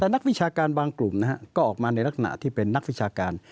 แต่นักวิชาการบางกลุ่มนะฮะก็ออกมาในลักษณะที่เป็นนักวิชาการ